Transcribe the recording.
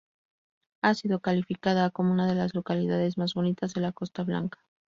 Ha sido calificada como una de las localidades más bonitas de la Costa Blanca.